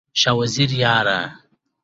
شاه وزیره یاره!